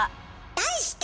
題して！